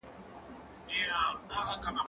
زه اوږده وخت واښه راوړم وم!.